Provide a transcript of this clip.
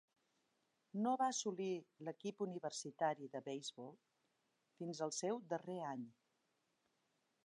No va assolir l'equip universitari de beisbol fins el seu darrer any.